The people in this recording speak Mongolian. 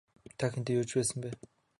Та хэнтэй юу хийж байсан бэ?